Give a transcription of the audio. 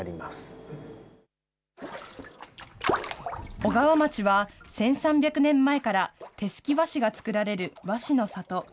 小川町は、１３００年前から手すき和紙が作られる和紙の里。